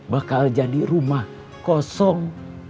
bakal jadi rumah kosong